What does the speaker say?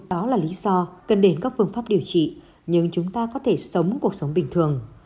đó là lý do cần đến các phương pháp điều trị nhưng chúng ta có thể sống cuộc sống bình thường